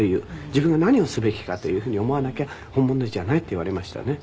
自分が何をすべきかというふうに思わなきゃ本物じゃないって言われましたね。